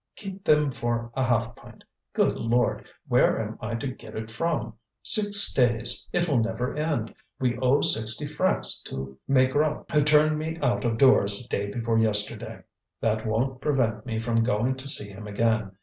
"Keep them for a half pint. Good Lord! where am I to get it from? Six days! it will never end. We owe sixty francs to Maigrat, who turned me out of doors day before yesterday. That won't prevent me from going to see him again.